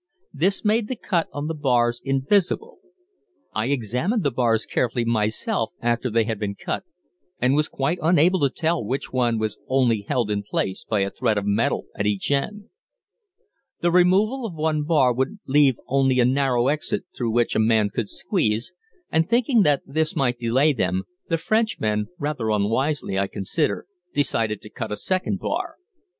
This made the cut on the bars invisible. I examined the bars carefully myself after they had been cut, and was quite unable to tell which one was only held in place by a thread of metal at each end. The removal of one bar would leave only a narrow exit through which a man could squeeze and, thinking that this might delay them, the Frenchmen, rather unwisely I consider, decided to cut a second bar.